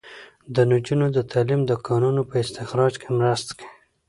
د نجونو تعلیم د کانونو په استخراج کې مرسته کوي.